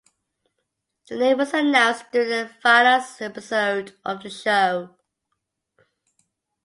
The name was announced during the final episode of the show.